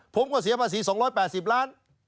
ผมก็เสียภาษี๒๘๐ล้าน